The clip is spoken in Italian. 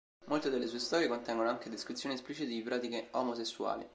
Molte delle sue storie contengono anche descrizioni esplicite di pratiche omosessuali.